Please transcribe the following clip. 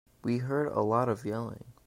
We heard a lot of yelling.